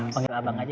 panggil abang aja ya